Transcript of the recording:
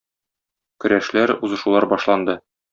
Көрәшләр, узышулар башланды.